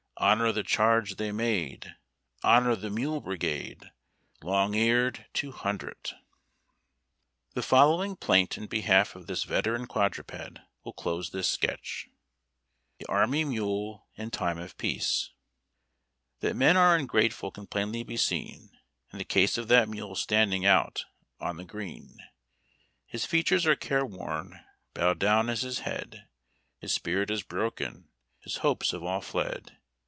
Honor the charge they made ! Honor the Mule Brigade, Long eared two hundred ! The following plaint in behalf of this veteran quadruped will close this sketch :— THE ARMY MULE IN TIME OF PEACE. ' That men are ungrateful can plainly be seen In the case of that mule standing out on the green. His features are careworn, bowed down is his head. His spirit is broken : his hopes have all fled.